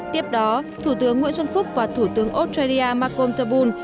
tiếp đó thủ tướng nguyễn xuân phúc và thủ tướng australia malcolm turnbull